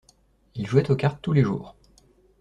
Ils jouaient aux cartes tous les jours.